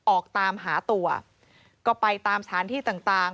ออกตามหาตัวก็ไปตามสถานที่ต่างต่าง